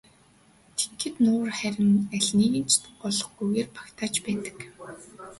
Тэгэхэд нуур харин алиныг нь ч голохгүйгээр багтааж байдаг.